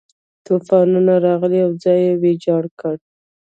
طوفان راغی او ځاله یې ویجاړه کړه.